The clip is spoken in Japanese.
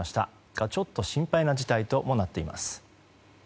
が、ちょっと心配な事態ともなっています。